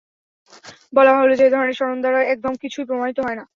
বলাবাহুল্য যে, এ ধরনের সনদ দ্বারা একদম কিছুই প্রমাণিত হয় না।